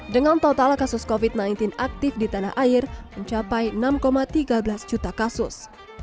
dengan total kasus covid sembilan belas aktif di tanah air mencapai enam tiga belas juta kasus